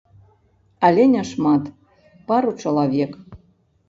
Але не шмат, пару чалавек.